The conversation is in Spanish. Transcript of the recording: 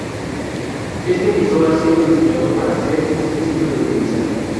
Este visor ha sido diseñado para ser muy sencillo de utilizar.